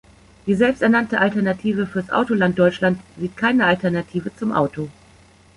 Die selbsternannte Alternative fürs Autoland Deutschland sieht keine Alternative zum Auto.